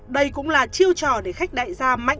đây cũng là chiêu trò để khách đại gia